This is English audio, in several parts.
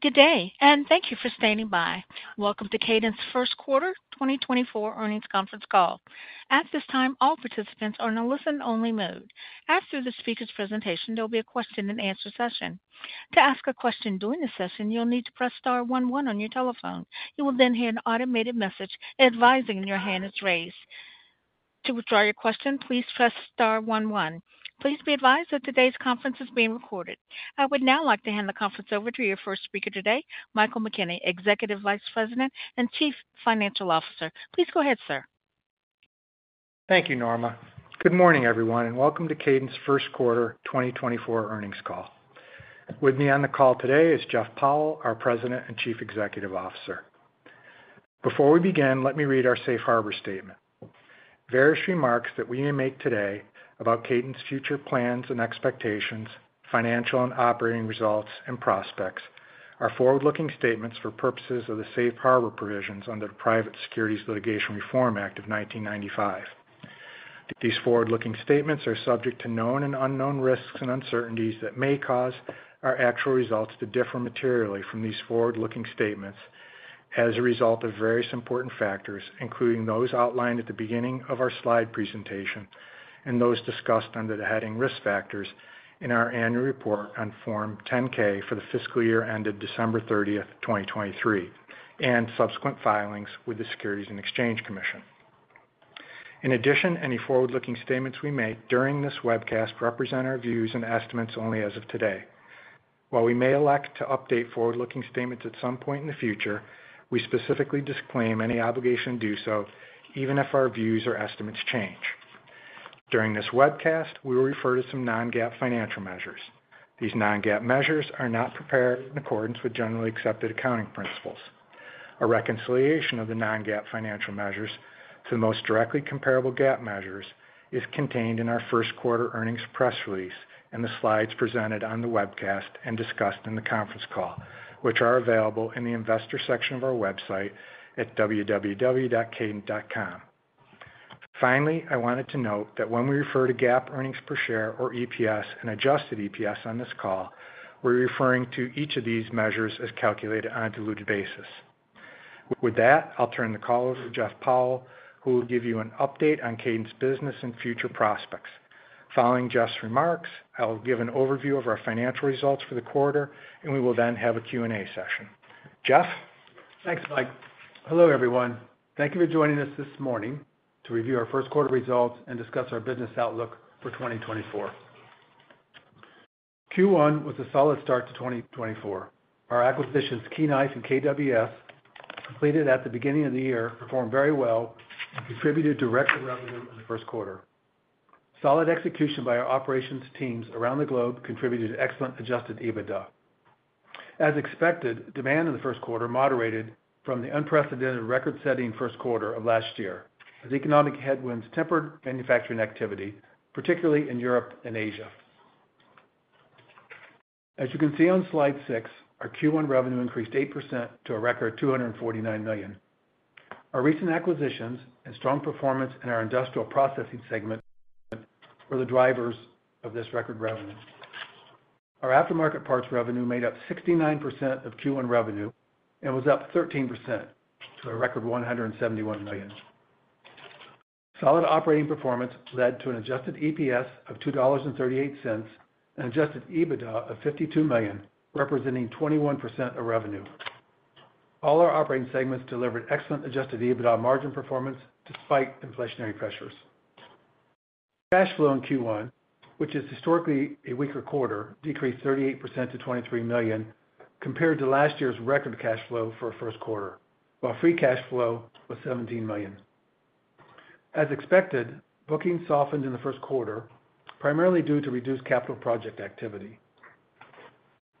Good day, and thank you for standing by. Welcome to Kadant's 1st Quarter 2024 Earnings Conference Call. At this time, all participants are in a listen-only mode. After the speaker's presentation, there will be a question-and-answer session. To ask a question during the session, you'll need to press star one one on your telephone. You will then hear an automated message advising your hand is raised. To withdraw your question, please press star one one. Please be advised that today's conference is being recorded. I would now like to hand the conference over to your first speaker today, Michael McKenney, Executive Vice President and Chief Financial Officer. Please go ahead, sir. Thank you, Norma. Good morning, everyone, and welcome to Kadant's 1st Quarter 2024 Earnings Call. With me on the call today is Jeff Powell, our President and Chief Executive Officer. Before we begin, let me read our safe harbor statement. Various remarks that we may make today about Kadant's future plans and expectations, financial and operating results and prospects are forward-looking statements for purposes of the safe harbor provisions under the Private Securities Litigation Reform Act of 1995. These forward-looking statements are subject to known and unknown risks and uncertainties that may cause our actual results to differ materially from these forward-looking statements as a result of various important factors, including those outlined at the beginning of our slide presentation and those discussed under the heading Risk Factors in our annual report on Form 10-K for the fiscal year ended December 30th, 2023, and subsequent filings with the Securities and Exchange Commission. In addition, any forward-looking statements we make during this webcast represent our views and estimates only as of today. While we may elect to update forward-looking statements at some point in the future, we specifically disclaim any obligation to do so, even if our views or estimates change. During this webcast, we will refer to some non-GAAP financial measures. These non-GAAP measures are not prepared in accordance with generally accepted accounting principles. A reconciliation of the non-GAAP financial measures to the most directly comparable GAAP measures is contained in our 1st quarter earnings press release and the slides presented on the webcast and discussed in the conference call, which are available in the Investor section of our website at www.kadant.com. Finally, I wanted to note that when we refer to GAAP earnings per share or EPS and adjusted EPS on this call, we're referring to each of these measures as calculated on a diluted basis. With that, I'll turn the call over to Jeff Powell, who will give you an update on Kadant's business and future prospects. Following Jeff's remarks, I will give an overview of our financial results for the quarter, and we will then have a Q&A session. Jeff? Thanks, Mike. Hello, everyone. Thank you for joining us this morning to review our 1st quarter results and discuss our business outlook for 2024. Q1 was a solid start to 2024. Our acquisitions, Key Knife and KWS, completed at the beginning of the year, performed very well and contributed direct revenue in the 1st quarter. Solid execution by our operations teams around the globe contributed to excellent Adjusted EBITDA. As expected, demand in the 1st quarter moderated from the unprecedented record-setting 1st quarter of last year, as economic headwinds tempered manufacturing activity, particularly in Europe and Asia. As you can see on slide six, our Q1 revenue increased 8% to a record $249 million. Our recent acquisitions and strong performance in our Industrial Processing segment were the drivers of this record revenue. Our aftermarket parts revenue made up 69% of Q1 revenue and was up 13% to a record $171 million. Solid operating performance led to an Adjusted EPS of $2.38 and Adjusted EBITDA of $52 million, representing 21% of revenue. All our operating segments delivered excellent Adjusted EBITDA margin performance despite inflationary pressures. Cash flow in Q1, which is historically a weaker quarter, decreased 38% to $23 million compared to last year's record cash flow for a 1st quarter, while free cash flow was $17 million. As expected, bookings softened in the 1st quarter, primarily due to reduced capital project activity.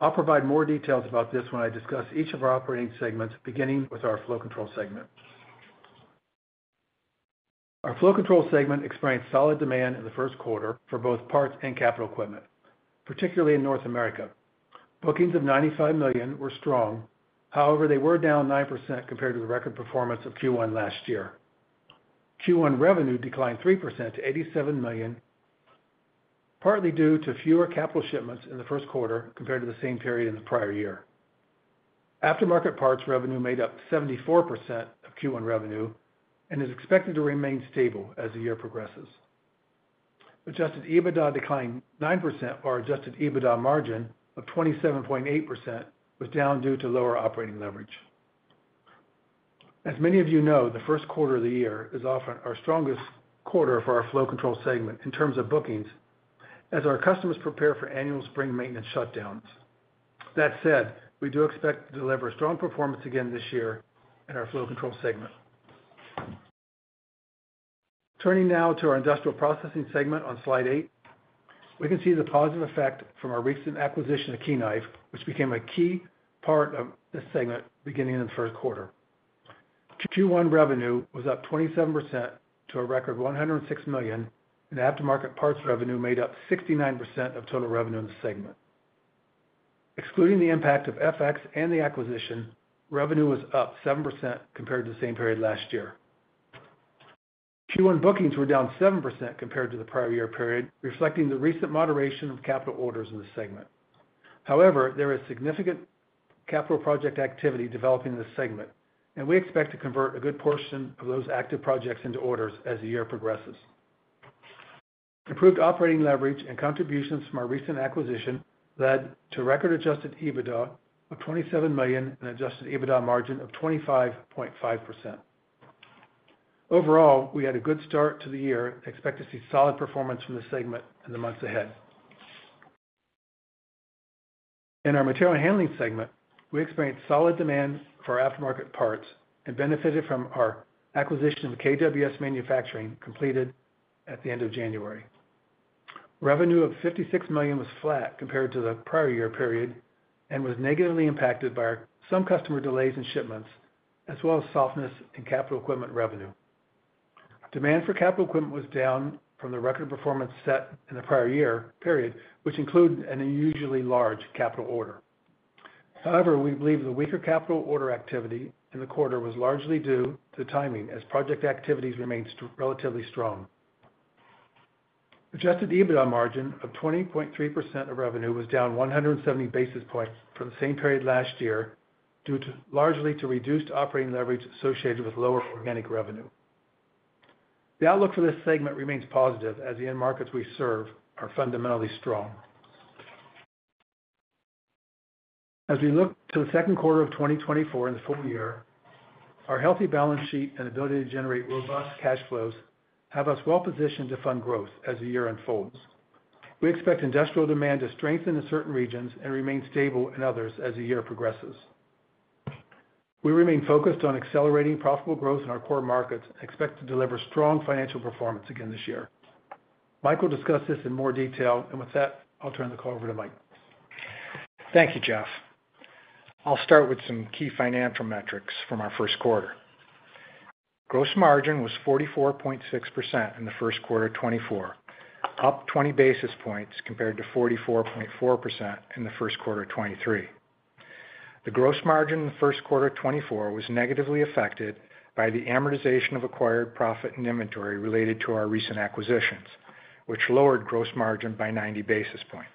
I'll provide more details about this when I discuss each of our operating segments, beginning with our Flow Control segment. Our flow control segment experienced solid demand in the 1st quarter for both parts and capital equipment, particularly in North America. Bookings of $95 million were strong. However, they were down 9% compared to the record performance of Q1 last year. Q1 revenue declined 3% to $87 million, partly due to fewer capital shipments in the 1st quarter compared to the same period in the prior year. Aftermarket parts revenue made up 74% of Q1 revenue and is expected to remain stable as the year progresses. Adjusted EBITDA declined 9%, while adjusted EBITDA margin of 27.8% was down due to lower operating leverage. As many of you know, the 1st quarter of the year is often our strongest quarter for our flow control segment in terms of bookings, as our customers prepare for annual spring maintenance shutdowns. That said, we do expect to deliver a strong performance again this year in our Flow Control segment. Turning now to our Industrial Processing segment on slide 8, we can see the positive effect from our recent acquisition of Key Knife, which became a key part of this segment beginning in the 1st quarter. Q1 revenue was up 27% to a record $106 million, and aftermarket parts revenue made up 69% of total revenue in the segment. Excluding the impact of FX and the acquisition, revenue was up 7% compared to the same period last year. Q1 bookings were down 7% compared to the prior year period, reflecting the recent moderation of capital orders in the segment. However, there is significant capital project activity developing in this segment, and we expect to convert a good portion of those active projects into orders as the year progresses. Improved operating leverage and contributions from our recent acquisition led to record adjusted EBITDA of $27 million and adjusted EBITDA margin of 25.5%. Overall, we had a good start to the year and expect to see solid performance from the segment in the months ahead. In our Material Handling segment, we experienced solid demand for our aftermarket parts and benefited from our acquisition of KWS Manufacturing, completed at the end of January. Revenue of $56 million was flat compared to the prior year period, and was negatively impacted by some customer delays in shipments, as well as softness in capital equipment revenue. Demand for capital equipment was down from the record performance set in the prior year period, which included an unusually large capital order. However, we believe the weaker capital order activity in the quarter was largely due to timing, as project activities remains relatively strong. Adjusted EBITDA margin of 20.3% of revenue was down 170 basis points from the same period last year, due to largely to reduced operating leverage associated with lower organic revenue. The outlook for this segment remains positive, as the end markets we serve are fundamentally strong. As we look to the second quarter of 2024 and the full year, our healthy balance sheet and ability to generate robust cash flows have us well positioned to fund growth as the year unfolds. We expect industrial demand to strengthen in certain regions and remain stable in others as the year progresses. We remain focused on accelerating profitable growth in our core markets and expect to deliver strong financial performance again this year. Mike will discuss this in more detail, and with that, I'll turn the call over to Mike. Thank you, Jeff. I'll start with some key financial metrics from our 1st quarter. Gross margin was 44.6% in the 1st quarter of 2024, up 20 basis points compared to 44.4% in the 1st quarter of 2023. The gross margin in the 1st quarter of 2024 was negatively affected by the amortization of acquired profit and inventory related to our recent acquisitions, which lowered gross margin by 90 basis points.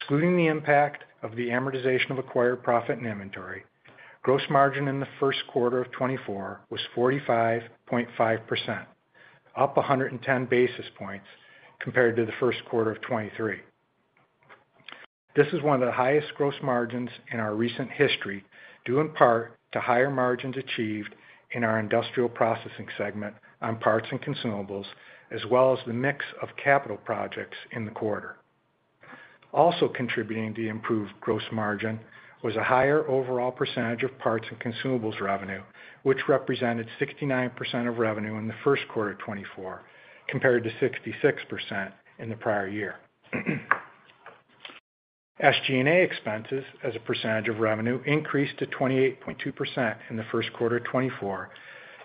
Excluding the impact of the amortization of acquired profit and inventory, gross margin in the 1st quarter of 2024 was 45.5%, up 110 basis points compared to the 1st quarter of 2023. This is one of the highest gross margins in our recent history, due in part to higher margins achieved in our Industrial Processing segment on parts and consumables, as well as the mix of capital projects in the quarter. Also contributing to the improved gross margin was a higher overall percentage of parts and consumables revenue, which represented 69% of revenue in the 1st quarter of 2024, compared to 66% in the prior year. SG&A expenses as a percentage of revenue increased to 28.2% in the 1st quarter of 2024,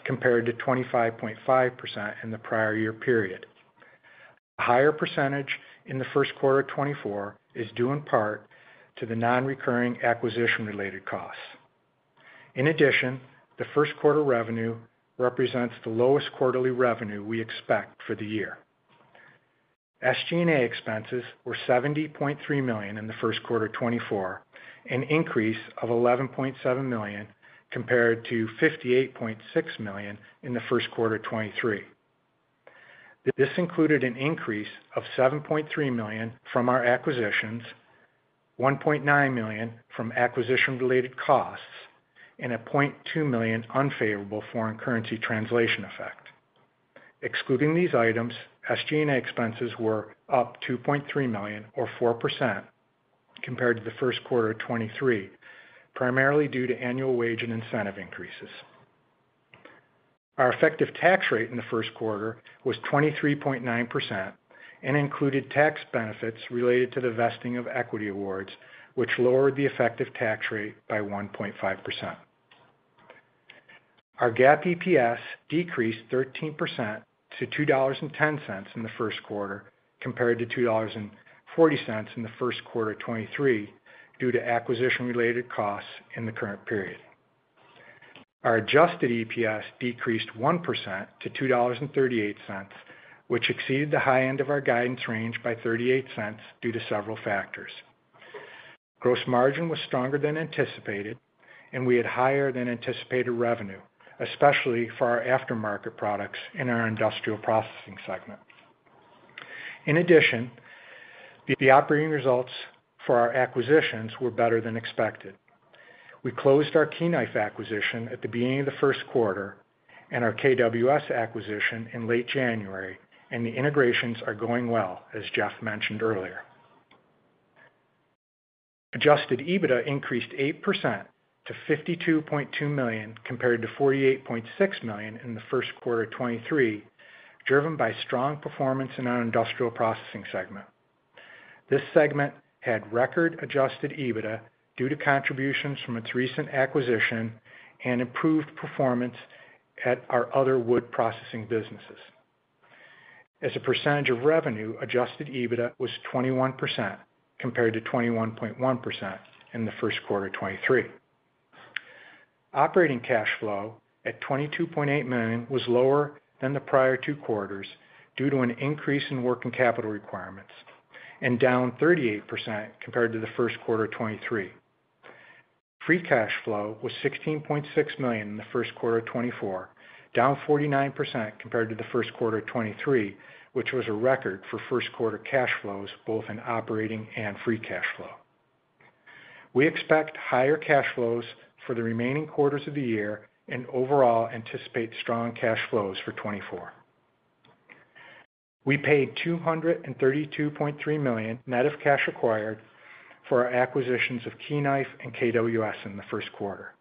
compared to 25.5% in the prior year period. Higher percentage in the 1st quarter of 2024 is due in part to the non-recurring acquisition-related costs. In addition, the 1st quarter revenue represents the lowest quarterly revenue we expect for the year. SG&A expenses were $70.3 million in the 1st quarter of 2024, an increase of $11.7 million compared to $58.6 million in the 1st quarter of 2023. This included an increase of $7.3 million from our acquisitions, $1.9 million from acquisition-related costs, and a $0.2 million unfavorable foreign currency translation effect. Excluding these items, SG&A expenses were up $2.3 million, or 4%, compared to the 1st quarter of 2023, primarily due to annual wage and incentive increases. Our effective tax rate in the 1st quarter was 23.9% and included tax benefits related to the vesting of equity awards, which lowered the effective tax rate by 1.5%. Our GAAP EPS decreased 13% to $2.10 in the 1st quarter, compared to $2.40 in the 1st quarter of 2023, due to acquisition-related costs in the current period. Our adjusted EPS decreased 1% to $2.38, which exceeded the high end of our guidance range by $0.38 due to several factors. Gross margin was stronger than anticipated, and we had higher than anticipated revenue, especially for our aftermarket products in our Industrial Processing segment. In addition, the operating results for our acquisitions were better than expected. We closed our Key Knife acquisition at the beginning of the 1st quarter and our KWS acquisition in late January, and the integrations are going well, as Jeff mentioned earlier. Adjusted EBITDA increased 8% to $52.2 million, compared to $48.6 million in the 1st quarter of 2023, driven by strong performance in our Industrial Processing segment. This segment had record adjusted EBITDA due to contributions from its recent acquisition and improved performance at our other wood processing businesses. As a percentage of revenue, adjusted EBITDA was 21%, compared to 21.1% in the 1st quarter of 2023. Operating cash flow at $22.8 million was lower than the prior two quarters due to an increase in working capital requirements, and down 38% compared to the 1st quarter of 2023. Free cash flow was $16.6 million in the 1st quarter of 2024, down 49% compared to the 1st quarter of 2023, which was a record for 1st quarter cash flows, both in operating and free cash flow. We expect higher cash flows for the remaining quarters of the year and overall anticipate strong cash flows for 2024. We paid $232.3 million, net of cash acquired, for our acquisitions of Key Knife and KWS in the 1st quarter.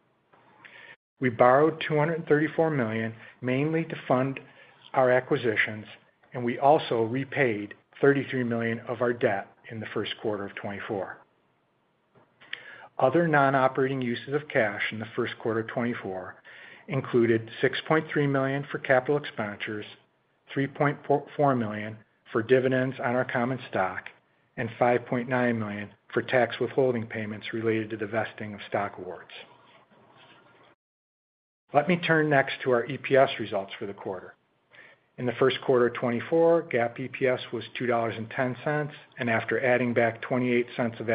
We borrowed $234 million, mainly to fund our acquisitions, and we also repaid $33 million of our debt in the 1st quarter of 2024. Other non-operating uses of cash in the 1st quarter of 2024 included $6.3 million for capital expenditures, $3.4 million for dividends on our common stock, and $5.9 million for tax withholding payments related to the vesting of stock awards. Let me turn next to our EPS results for the quarter. In the 1st quarter of 2024, GAAP EPS was $2.10, and after adding back 28 cents of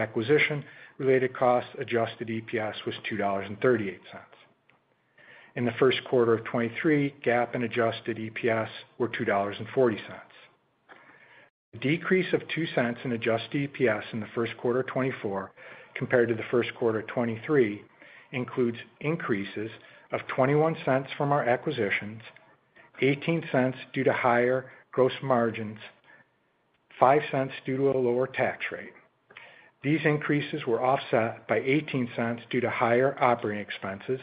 acquisition-related costs, adjusted EPS was $2.38. In the 1st quarter of 2023, GAAP and adjusted EPS were $2.40. A decrease of $0.02 in adjusted EPS in the 1st quarter of 2024 compared to the 1st quarter of 2023 includes increases of $0.21 from our acquisitions, $0.18 due to higher gross margins, $0.05 due to a lower tax rate. These increases were offset by $0.18 due to higher operating expenses,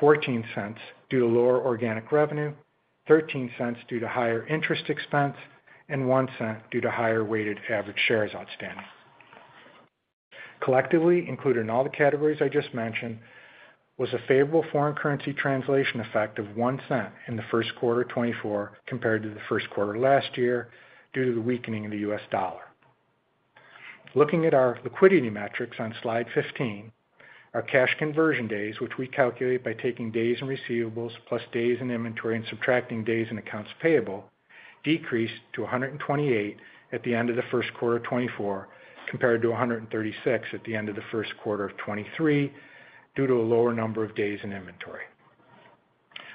$0.14 due to lower organic revenue, $0.13 due to higher interest expense, and $0.01 due to higher weighted average shares outstanding. Collectively, including all the categories I just mentioned, was a favorable foreign currency translation effect of $0.01 in the 1st quarter of 2024 compared to the 1st quarter last year due to the weakening of the U.S. dollar. Looking at our liquidity metrics on slide 15, our Cash Conversion Days, which we calculate by taking days in receivables plus days in inventory and subtracting days in accounts payable, decreased to 128 at the end of the 1st quarter of 2024, compared to 136 at the end of the 1st quarter of 2023, due to a lower number of days in inventory.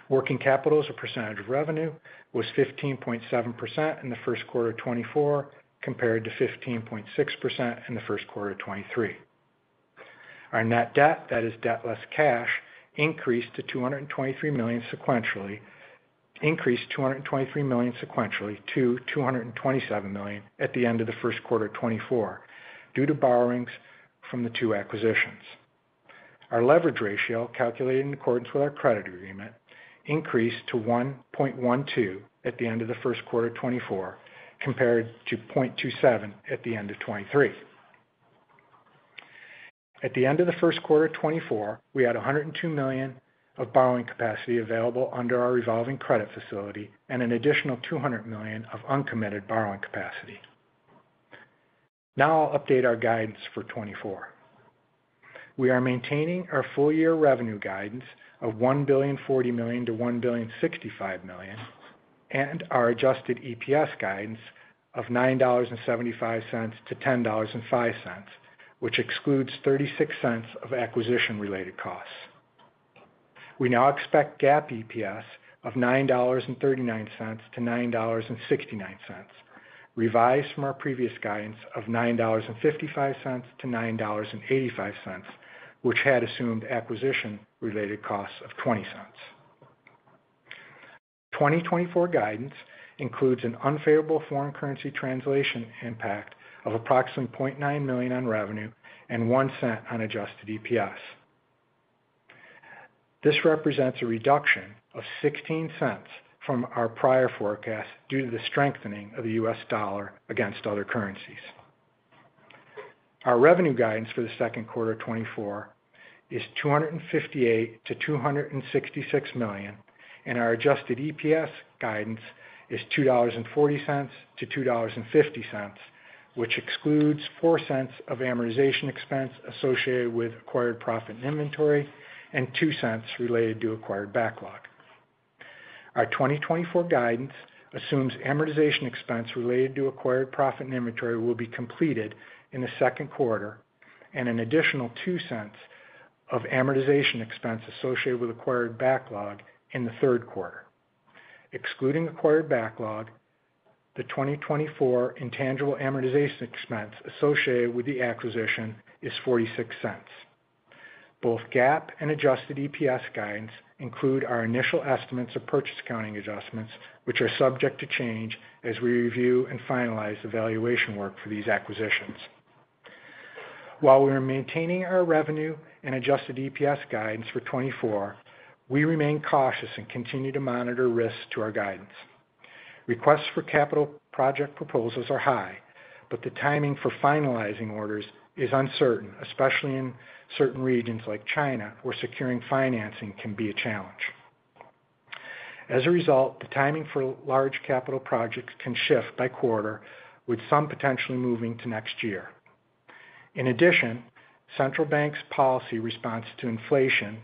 Working capital as a percentage of revenue was 15.7% in the 1st quarter of 2024, compared to 15.6% in the 1st quarter of 2023. Our net debt, that is, debt less cash, increased $223 million sequentially to $227 million at the end of the 1st quarter of 2024 due to borrowings from the two acquisitions. Our leverage ratio, calculated in accordance with our credit agreement, increased to 1.12 at the end of the 1st quarter of 2024, compared to 0.27 at the end of 2023. At the end of the 1st quarter of 2024, we had $102 million of borrowing capacity available under our revolving credit facility and an additional $200 million of uncommitted borrowing capacity. Now I'll update our guidance for 2024. We are maintaining our full-year revenue guidance of $1.04 billion-$1.065 billion, and our adjusted EPS guidance of $9.75-$10.05, which excludes $0.36 of acquisition-related costs. We now expect GAAP EPS of $9.39-$9.69, revised from our previous guidance of $9.55-$9.85, which had assumed acquisition-related costs of $0.20. 2024 guidance includes an unfavorable foreign currency translation impact of approximately $0.9 million on revenue and $0.01 on adjusted EPS. This represents a reduction of $0.16 from our prior forecast due to the strengthening of the U.S. dollar against other currencies. Our revenue guidance for the2nd quarter of 2024 is $258 million-$266 million, and our Adjusted EPS guidance is $2.40-$2.50, which excludes $0.04 of amortization expense associated with acquired profit and inventory and $0.02 related to acquired backlog. Our 2024 guidance assumes amortization expense related to acquired profit and inventory will be completed in the 2nd quarter and an additional $0.02 of amortization expense associated with acquired backlog in the 3rd quarter. Excluding acquired backlog, the 2024 intangible amortization expense associated with the acquisition is $0.46. Both GAAP and Adjusted EPS guidance include our initial estimates of purchase accounting adjustments, which are subject to change as we review and finalize the valuation work for these acquisitions. While we are maintaining our revenue and adjusted EPS guidance for 2024, we remain cautious and continue to monitor risks to our guidance. Requests for capital project proposals are high, but the timing for finalizing orders is uncertain, especially in certain regions like China, where securing financing can be a challenge. As a result, the timing for large capital projects can shift by quarter, with some potentially moving to next year. In addition, central bank's policy response to inflation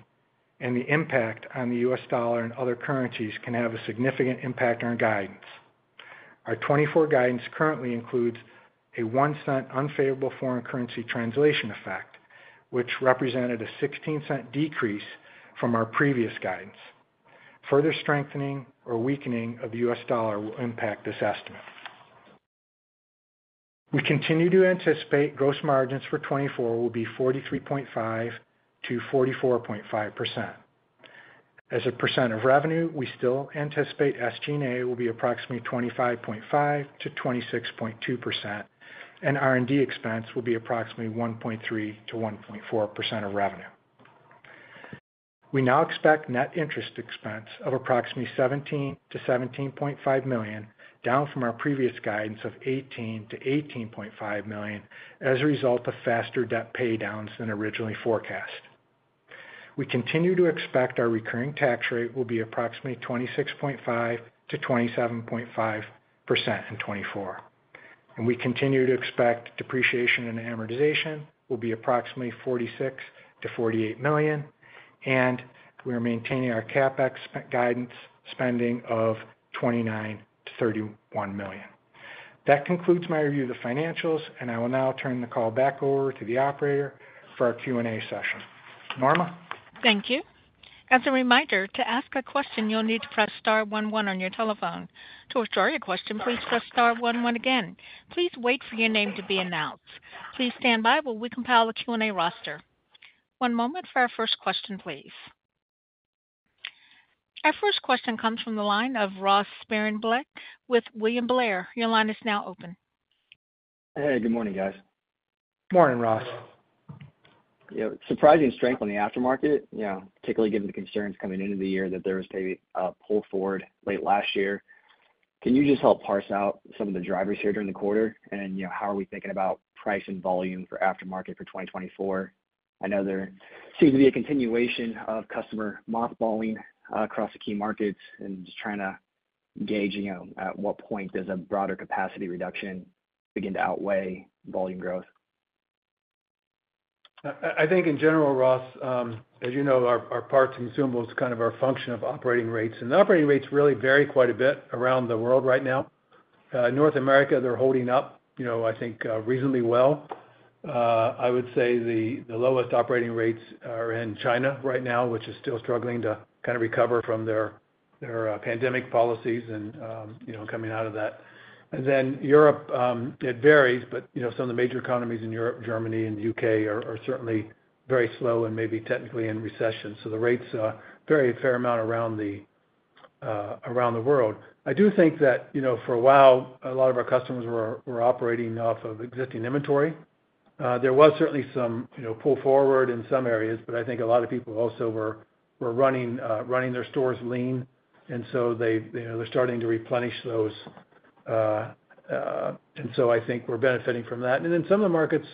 and the impact on the U.S. dollar and other currencies can have a significant impact on our guidance. Our 2024 guidance currently includes a $0.01 unfavorable foreign currency translation effect, which represented a $0.16 decrease from our previous guidance. Further strengthening or weakening of the U.S. dollar will impact this estimate. We continue to anticipate gross margins for 2024 will be 43.5%-44.5%. As a percent of revenue, we still anticipate SG&A will be approximately 25.5%-26.2%, and R&D expense will be approximately 1.3%-1.4% of revenue. We now expect net interest expense of approximately $17 million-$17.5 million, down from our previous guidance of $18 million-$18.5 million, as a result of faster debt paydowns than originally forecast. We continue to expect our recurring tax rate will be approximately 26.5%-27.5% in 2024, and we continue to expect depreciation and amortization will be approximately $46 million-$48 million, and we are maintaining our CapEx guidance spending of $29 million-$31 million. That concludes my review of the financials, and I will now turn the call back over to the operator for our Q&A session. Norma? Thank you. As a reminder, to ask a question, you'll need to press star one one on your telephone. To withdraw your question, please press star one one again. Please wait for your name to be announced. Please stand by while we compile the Q&A roster. One moment for our first question, please. Our first question comes from the line of Ross Sparenblek with William Blair. Your line is now open. Hey, good morning, guys. Morning, Ross. Yeah, surprising strength on the aftermarket, you know, particularly given the concerns coming into the year that there was maybe a pull forward late last year. Can you just help parse out some of the drivers here during the quarter? And, you know, how are we thinking about price and volume for aftermarket for 2024? I know there seems to be a continuation of customer mothballing across the key markets, and just trying to gauge, you know, at what point does a broader capacity reduction begin to outweigh volume growth. I think in general, Ross, as you know, our parts and consumables are kind of our function of operating rates, and the operating rates really vary quite a bit around the world right now. North America, they're holding up, you know, I think reasonably well. I would say the lowest operating rates are in China right now, which is still struggling to kind of recover from their pandemic policies and, you know, coming out of that. And then Europe, it varies, but, you know, some of the major economies in Europe, Germany and the U.K., are certainly very slow and maybe technically in recession. So the rates vary a fair amount around the world. I do think that, you know, for a while, a lot of our customers were operating off of existing inventory. There was certainly some, you know, pull forward in some areas, but I think a lot of people also were running their stores lean, and so they, you know, they're starting to replenish those. And so I think we're benefiting from that. And then some of the markets,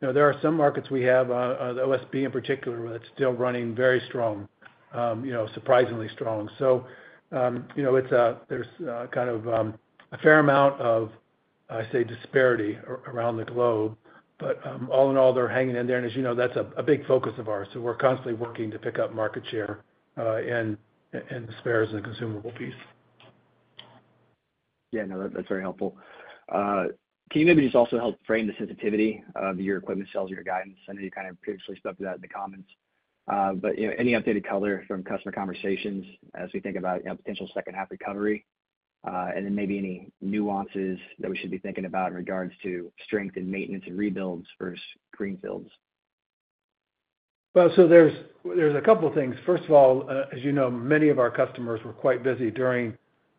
you know, there are some markets we have, OSB in particular, that's still running very strong, you know, surprisingly strong. So, you know, it's, there's kind of a fair amount of, I say, disparity around the globe, but, all in all, they're hanging in there. As you know, that's a big focus of ours, so we're constantly working to pick up market share, and the spares and consumable piece. Yeah, no, that, that's very helpful. Can you maybe just also help frame the sensitivity of your equipment sales, your guidance? I know you kind of previously spoke to that in the comments, but, you know, any updated color from customer conversations as we think about, you know, potential 2nd half recovery, and then maybe any nuances that we should be thinking about in regards to strength in maintenance and rebuilds versus greenfields? Well, so there's a couple things. First of all, as you know, many of our customers were quite busy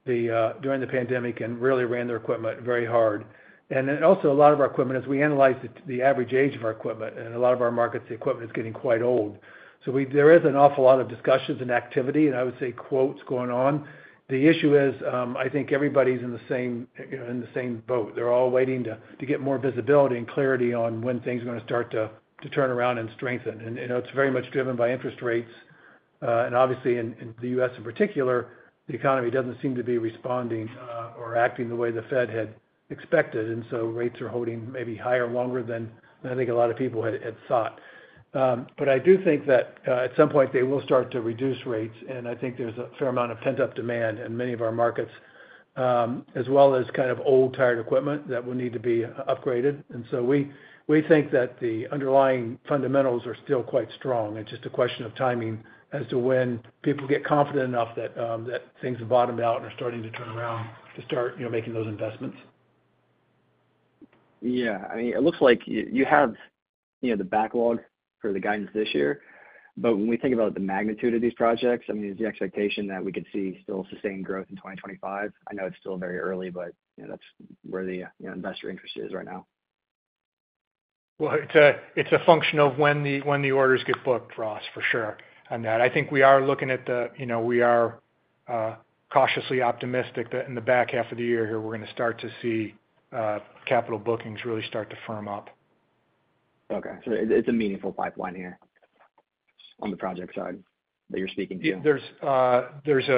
during the pandemic and really ran their equipment very hard. And then also, a lot of our equipment, as we analyze it, the average age of our equipment, in a lot of our markets, the equipment is getting quite old. So, there is an awful lot of discussions and activity, and I would say quotes going on. The issue is, I think everybody's in the same, you know, in the same boat. They're all waiting to get more visibility and clarity on when things are gonna start to turn around and strengthen. You know, it's very much driven by interest rates, and obviously in the U.S. in particular, the economy doesn't seem to be responding or acting the way the Fed had expected, and so rates are holding maybe higher, longer than I think a lot of people had thought. But I do think that at some point they will start to reduce rates, and I think there's a fair amount of pent-up demand in many of our markets, as well as kind of old, tired equipment that will need to be upgraded. So we think that the underlying fundamentals are still quite strong. It's just a question of timing as to when people get confident enough that things have bottomed out and are starting to turn around, to start, you know, making those investments. Yeah. I mean, it looks like you have, you know, the backlog for the guidance this year. But when we think about the magnitude of these projects, I mean, is the expectation that we could see still sustained growth in 2025? I know it's still very early, but, you know, that's where the, you know, investor interest is right now. Well, it's a function of when the orders get booked, Ross, for sure on that. I think we are looking at the, you know, we are cautiously optimistic that in the back half of the year here, we're gonna start to see capital bookings really start to firm up. Okay. So it, it's a meaningful pipeline here on the project side that you're speaking to? Yeah, there's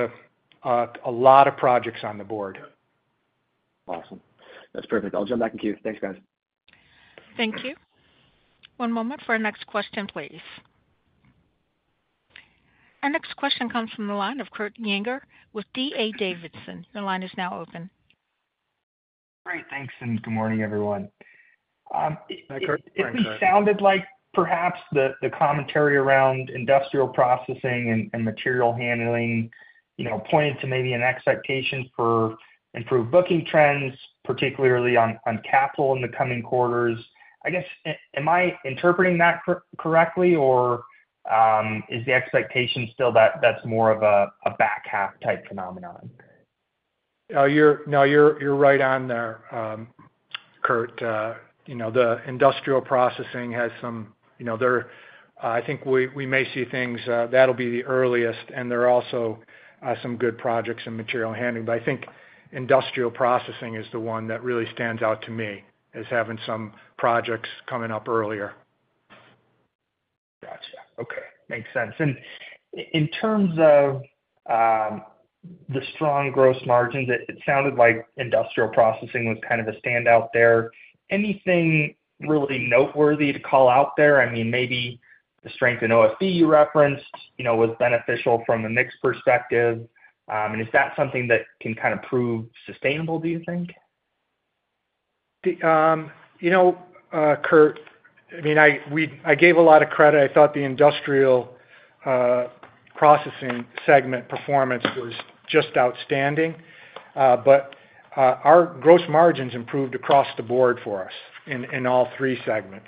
a lot of projects on the board. Awesome. That's perfect. I'll jump back in queue. Thanks, guys. Thank you. One moment for our next question, please. Our next question comes from the line of Kurt Yinger with D.A. Davidson. Your line is now open. Great. Thanks, and good morning, everyone. Hi, Kurt. Sorry. It sounded like perhaps the commentary around industrial processing and material handling, you know, pointed to maybe an expectation for improved booking trends, particularly on capital in the coming quarters. I guess, am I interpreting that correctly, or is the expectation still that that's more of a back half type phenomenon? No, you're right on there, Kurt. You know, the Industrial Processing has some, you know, there. I think we may see things that'll be the earliest, and there are also some good projects in Material Handling. But I think Industrial Processing is the one that really stands out to me as having some projects coming up earlier. Gotcha. Okay, makes sense. And in terms of the strong gross margins, it sounded like Industrial Processing was kind of a standout there. Anything really noteworthy to call out there? I mean, maybe the strength in OFC you referenced, you know, was beneficial from a mix perspective. And is that something that can kind of prove sustainable, do you think? You know, Kurt, I mean, I gave a lot of credit. I thought the Industrial Processing segment performance was just outstanding. But our gross margins improved across the board for us in all 3 segments.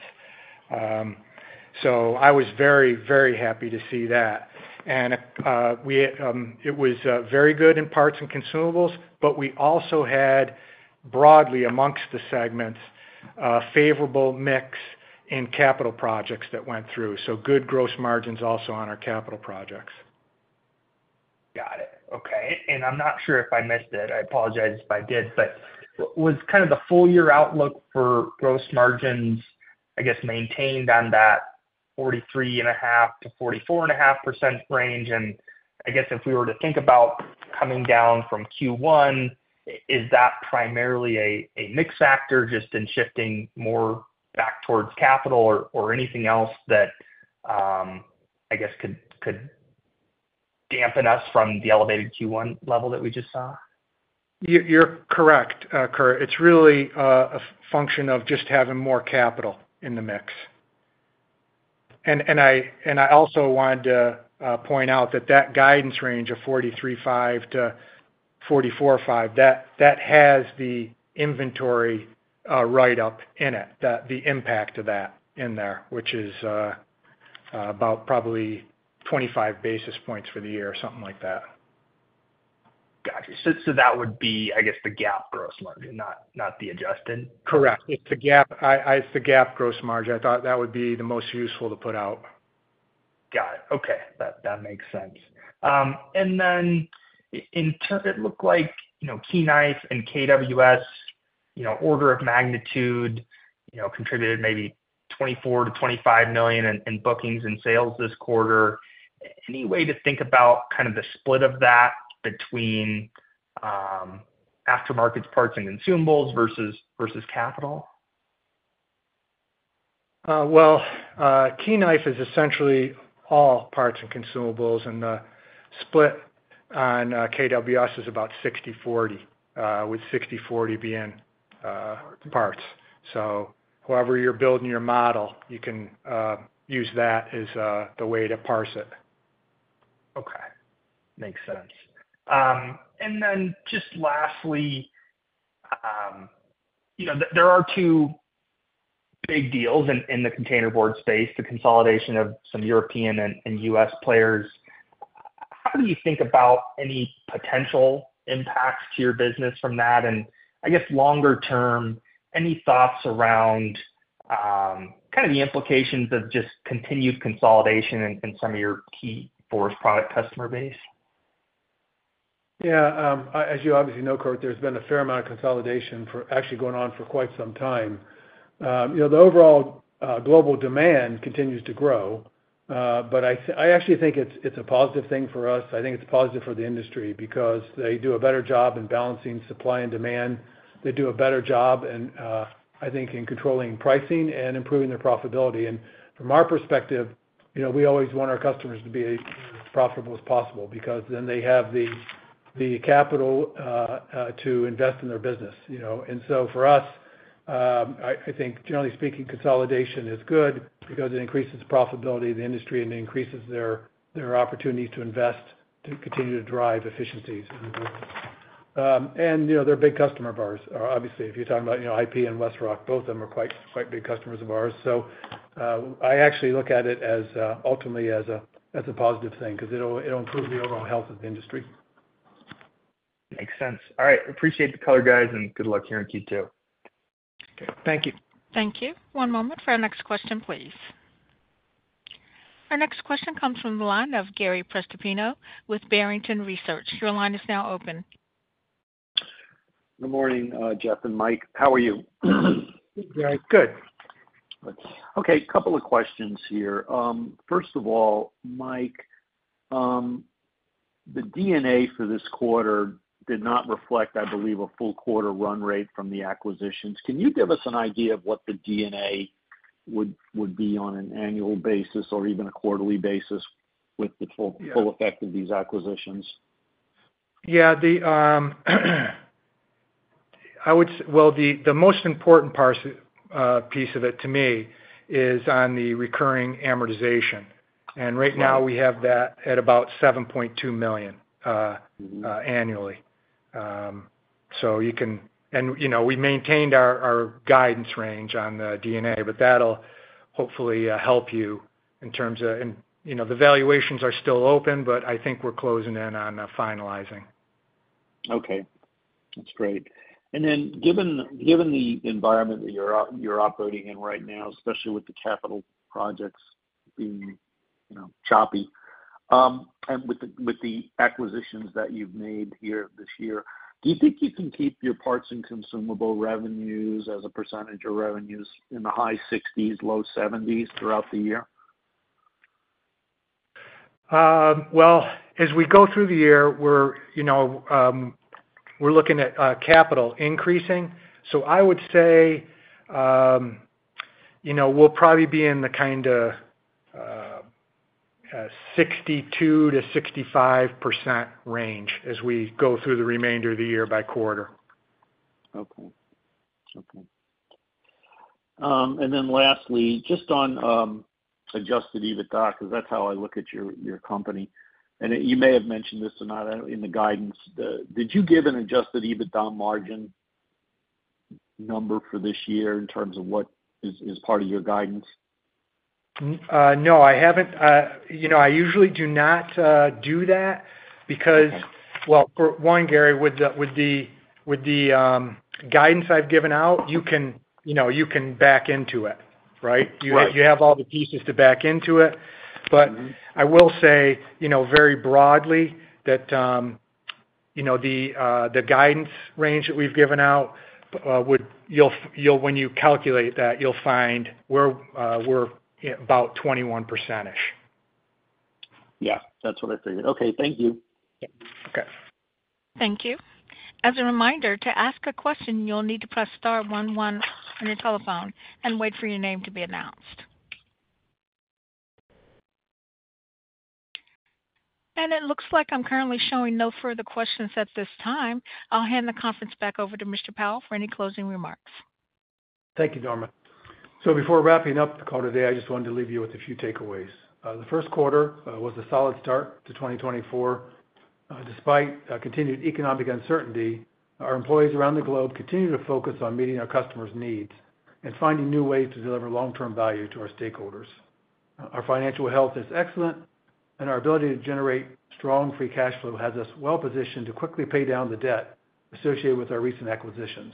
So I was very, very happy to see that. And we, it was very good in parts and consumables, but we also had, broadly amongst the segments, a favorable mix in capital projects that went through, so good gross margins also on our capital projects. Got it. Okay. I'm not sure if I missed it. I apologize if I did, but was kind of the full year outlook for gross margins, I guess, maintained on that 43.5%-44.5% range? And I guess if we were to think about coming down from Q1, is that primarily a mix factor just in shifting more back towards capital or anything else that, I guess, could dampen us from the elevated Q1 level that we just saw? You're correct, Kurt. It's really a function of just having more capital in the mix. And I also wanted to point out that that guidance range of 43.5%-44.5%, that has the inventory write-up in it, the impact of that in there, which is about probably 25 basis points for the year or something like that. Got you. So, that would be, I guess, the GAAP gross margin, not the adjusted? Correct. It's the GAAP. It's the GAAP gross margin. I thought that would be the most useful to put out. Got it. Okay. That makes sense. And then in terms, it looked like, you know, Key Knife and KWS, you know, order of magnitude, you know, contributed maybe $24 million-$25 million in bookings and sales this quarter. Any way to think about kind of the split of that between aftermarket parts and consumables versus capital? Well, Key Knife is essentially all parts and consumables, and the split on KWS is about 60/40, with 60/40 being parts. So however you're building your model, you can use that as the way to parse it. Okay. Makes sense. And then just lastly, you know, there are two big deals in the containerboard space, the consolidation of some European and U.S. players. How do you think about any potential impacts to your business from that? And I guess longer term, any thoughts around kind of the implications of just continued consolidation in some of your key forest product customer base? Yeah, as you obviously know, Kurt, there's been a fair amount of consolidation that's actually going on for quite some time. You know, the overall global demand continues to grow, but I actually think it's a positive thing for us. I think it's positive for the industry because they do a better job in balancing supply and demand. They do a better job in, I think, in controlling pricing and improving their profitability. And from our perspective, you know, we always want our customers to be as profitable as possible because then they have the capital to invest in their business, you know? And so for us, I think, generally speaking, consolidation is good because it increases the profitability of the industry and increases their opportunities to invest, to continue to drive efficiencies. And, you know, they're a big customer of ours. Obviously, if you're talking about, you know, IP and WestRock, both of them are quite, quite big customers of ours. So, I actually look at it as, ultimately as a, as a positive thing, 'cause it'll, it'll improve the overall health of the industry. Makes sense. All right, appreciate the color, guys, and good luck here in Q2. Thank you. Thank you. One moment for our next question, please. Our next question comes from the line of Gary Prestopino with Barrington Research. Your line is now open. Good morning, Jeff and Mike. How are you? Good, Gary. Good. Okay, couple of questions here. First of all, Mike, the EBITDA for this quarter did not reflect, I believe, a full quarter run rate from the acquisitions. Can you give us an idea of what the EBITDA would be on an annual basis or even a quarterly basis with the full effect of these acquisitions? Yeah, well, the most important piece of it to me is on the recurring amortization. Right now, we have that at about $7.2 million, annually. So you can and, you know, we maintained our, our guidance range on the DNA, but that'll hopefully help you in terms of, and, you know, the valuations are still open, but I think we're closing in on finalizing. Okay, that's great. And then, given the environment that you're operating in right now, especially with the capital projects being, you know, choppy, and with the acquisitions that you've made here this year, do you think you can keep your parts and consumable revenues as a percentage of revenues in the high 60s, low 70s throughout the year? Well, as we go through the year, we're, you know, we're looking at capital increasing. So I would say, you know, we'll probably be in the kinda 62%-65% range as we go through the remainder of the year by quarter. Okay. Okay. And then lastly, just on adjusted EBITDA, 'cause that's how I look at your, your company, and you may have mentioned this or not in the guidance. Did you give an Adjusted EBITDA margin number for this year in terms of what is, is part of your guidance? No, I haven't. You know, I usually do not do that because, well, for one, Gary, with the guidance I've given out, you can, you know, you can back into it, right? Right. You have all the pieces to back into it. Mm-hmm. But I will say, you know, very broadly that, you know, the guidance range that we've given out would, you'll when you calculate that, you'll find we're about 21%. Yeah, that's what I figured. Okay, thank you. Yeah. Okay. Thank you. As a reminder, to ask a question, you'll need to press star one one on your telephone and wait for your name to be announced. And it looks like I'm currently showing no further questions at this time. I'll hand the conference back over to Mr. Powell for any closing remarks. Thank you, Norma. So before wrapping up the call today, I just wanted to leave you with a few takeaways. The 1st quarter was a solid start to 2024. Despite continued economic uncertainty, our employees around the globe continue to focus on meeting our customers' needs and finding new ways to deliver long-term value to our stakeholders. Our financial health is excellent, and our ability to generate strong free cash flow has us well positioned to quickly pay down the debt associated with our recent acquisitions.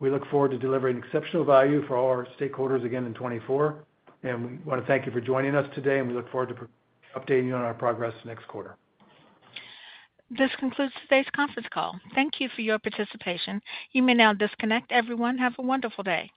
We look forward to delivering exceptional value for all our stakeholders again in 2024, and we wanna thank you for joining us today, and we look forward to updating you on our progress next quarter. This concludes today's conference call. Thank you for your participation. You may now disconnect. Everyone, have a wonderful day.